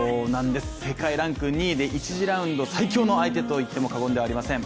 世界ランク２位で、１次ラウンド最強の相手といっても過言ではありません。